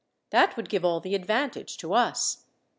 "That would give all the advantage to us.